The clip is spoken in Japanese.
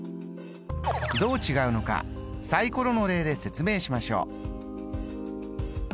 どう違うのかサイコロの例で説明しましょう。